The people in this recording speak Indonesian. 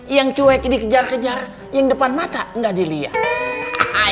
yang cuek dikejar kejar yang depan mata nggak dilihat